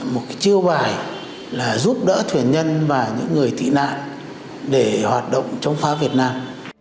một chiêu bài là giúp đỡ thuyền nhân và những người tị nạn để hoạt động chống phá việt nam